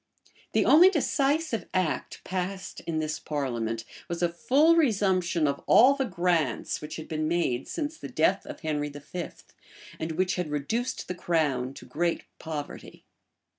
The only decisive act passed in this parliament, was a full resumption of all the grants which had been made since the death of Henry V., and which had reduced the crown to great poverty.